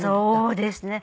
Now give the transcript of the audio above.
そうですね。